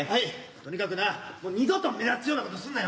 とにかくな二度と目立つようなことすんなよ。